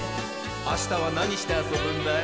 あしたはなにしてあそぶんだい？